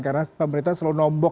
karena pemerintah selalu nombok ya